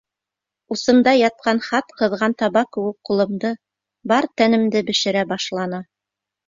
Усымда ятҡан хат ҡыҙған таба кеүек ҡулымды, бар тәнемде бешерә башланы.